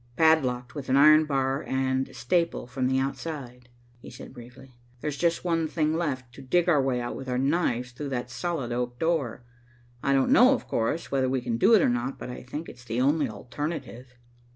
"Padlocked with an iron bar and staple from the outside," he said briefly. "There's just one thing left. To dig our way out with our knives through that solid oak door. I don't know, of course, whether we can do it or not, but I think it's the only alternative."